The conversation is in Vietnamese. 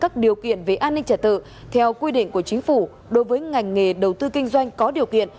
trẻ tự theo quy định của chính phủ đối với ngành nghề đầu tư kinh doanh có điều kiện